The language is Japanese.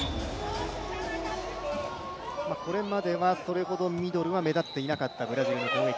これまではそれほどミドルは目立っていなかったブラジルの攻撃。